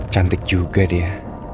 cantik juga dia